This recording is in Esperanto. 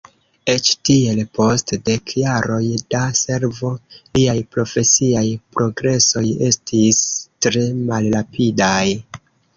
Eĉ tiel, post dek jaroj da servo, liaj profesiaj progresoj estis tre malrapidaj.